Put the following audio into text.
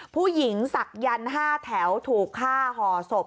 ผู้หญิงศักยร๕แถวถูกฆ่าห่อศพ